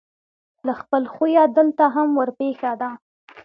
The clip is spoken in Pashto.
له خپل خویه دلته هم ورپېښه ده.